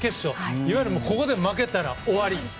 いわゆるここで負けたら終わり。